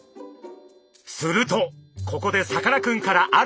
するとここでさかなクンからある提案が。